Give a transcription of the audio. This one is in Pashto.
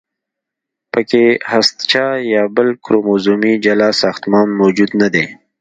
پکې هستچه یا بل کروموزومي جلا ساختمان موجود نه دی.